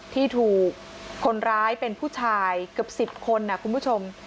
ที่ถูกคนร้ายเป็นผู้ชายเกือบ๑๐คนนะคุณผู้ชม